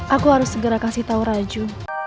aku harus segera kasih tahu raju